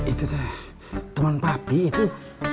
itu teh teman papih itu